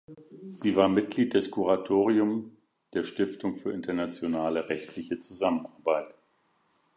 Sie war Mitglied des Kuratorium der Stiftung für Internationale Rechtliche Zusammenarbeit.